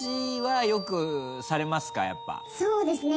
「そうですね。